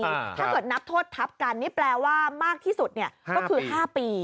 ถ้าเกิดนับโทษทับกันนี่แปลว่ามากที่สุดก็คือ๕ปี